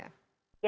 yang sudah iya